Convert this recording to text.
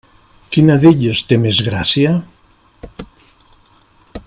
Quina d'elles té més gràcia?